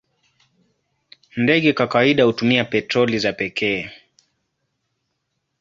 Ndege kwa kawaida hutumia petroli za pekee.